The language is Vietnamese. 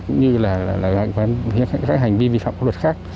cũng như là các hành vi vi phạm pháp luật khác